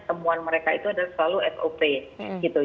temuan mereka itu adalah selalu sop gitu